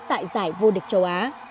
tại giải vô địch châu á